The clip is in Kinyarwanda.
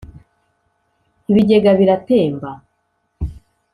ibigega biratemba